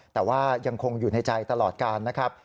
แต่ว่ายังคงอยู่ในใจตลอดการนะครับ